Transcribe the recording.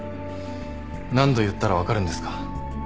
何度言ったら分かるんですか？